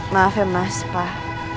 maaf ya mas pak